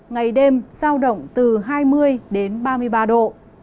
ngày đêm giao động từ hai mươi đến ba mươi ba độ